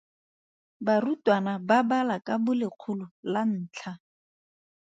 Barutwana ba bala ka bolekgolo la ntlha.